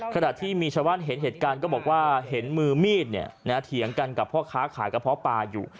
ขณะที่มีชาวบ้านเห็นเหตุการณ์ก็บอกว่าเห็นมือมีดเถียงกันกับพ่อค้าขายกระเพาะปลาอยู่